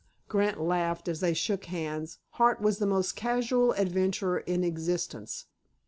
Grant laughed as they shook hands. Hart was the most casual adventurer in existence.